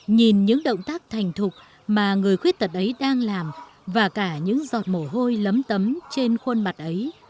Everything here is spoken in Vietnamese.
nhìn những động tác thành thục mà người khuyết tật ấy đang làm và cả những giọt mồ hôi lấm tấm trên khuôn mặt ấy